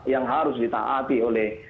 yang harus ditaati oleh